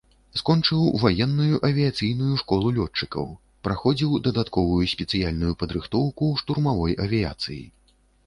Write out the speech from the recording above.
Скончыў ваенную авіяцыйную школу лётчыкаў, праходзіў дадатковую спецыяльную падрыхтоўку ў штурмавой авіяцыі.